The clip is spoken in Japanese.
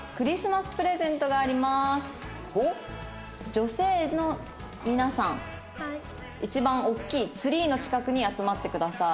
「女性の皆さん一番おっきいツリーの近くに集まってください」